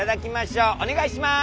お願いします。